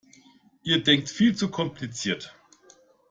Ihr denkt viel zu kompliziert!